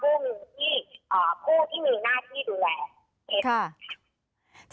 ภูมิที่อ่าผู้ที่มีหน้าที่ดูแลไอ้ครับทีนี้